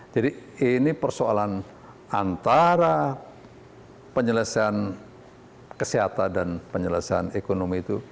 jadi ini persoalan antara penyelesaian kesehatan dan penyelesaian ekonomi itu